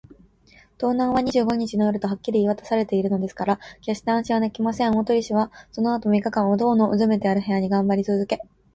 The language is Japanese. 盗難は二十五日の夜とはっきり言いわたされているのですから、けっして安心はできません。大鳥氏はそのあとの三日間を、塔のうずめてある部屋にがんばりつづけ